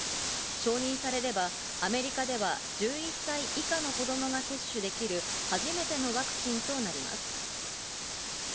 承認されればアメリカでは１１歳以下の子供が接種できる初めてのワクチンとなります。